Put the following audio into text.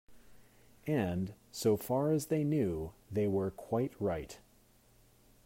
And, so far as they knew, they were quite right.